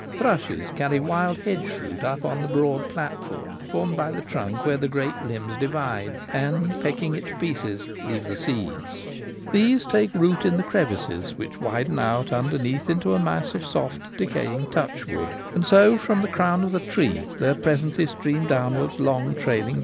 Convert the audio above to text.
Thrushes carry wild hedge fruit up on the broad platform formed by the trunk where the great limbs divide, and, pecking it to pieces, leave the seeds. These take root in the crevices which widen out underneath into a mass of soft decaying ' touchwood ;* and so from the crown of the tree there presently streams downwards long trailing 8o The Gamekeeper at Home.